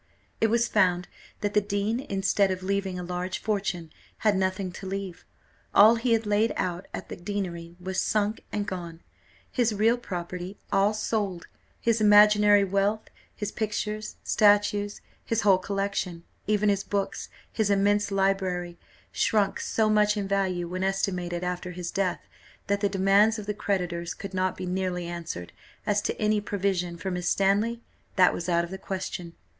It was found that the dean, instead of leaving a large fortune, had nothing to leave. All he had laid out at the deanery was sunk and gone; his real property all sold; his imaginary wealth, his pictures, statues his whole collection, even his books, his immense library, shrunk so much in value when estimated after his death, that the demands of the creditors could not be nearly answered: as to any provision for Miss Stanley, that was out of the question.